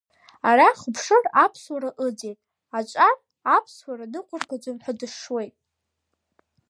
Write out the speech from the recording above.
Арахь уԥшыр Аԥсуара ыӡит, аҿар Аԥсуара ныҟәыргаӡом ҳәа дашшуеит.